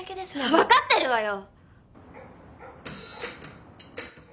分かってるわよ！